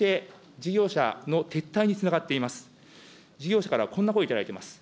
事業者からこんな声、頂いています。